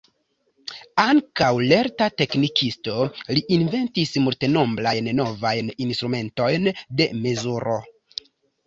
Ankaŭ lerta teknikisto, li inventis multenombrajn novajn instrumentojn de mezuro.